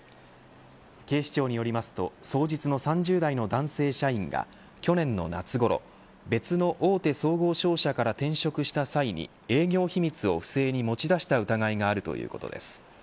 警視庁によりますと双日の３０代の男性社員が去年の夏ごろ別の大手総合商社から転職した際に営業秘密を不正に持ち出した疑いがあるということです。